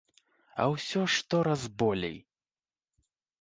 А ўсё штораз болей!